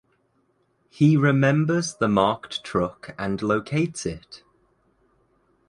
He remembers the marked truck and locates it.